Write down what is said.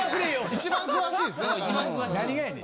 一番詳しいですね。